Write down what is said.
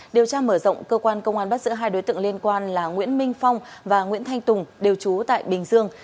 điều tra mở rộng cơ quan công an bắt giữ hai đối tượng liên quan là nguyễn minh phong và nguyễn thanh tùng đều trú tại bình dương